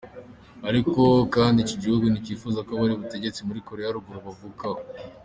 Ariko kandi ico gihugu nticipfuza ko abari ku butegetsi muri Korea ya ruguru babuvako.